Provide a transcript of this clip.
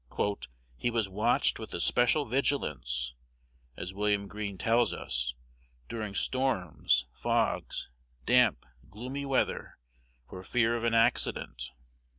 "He was watched with especial vigilance," as William Green tells us, "during storms, fogs, damp, gloomy weather, for fear of an accident."